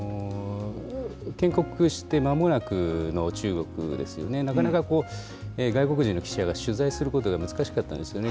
建国してまもなくの中国ですよね、なかなか外国人の記者が取材することが難しかったんですよね。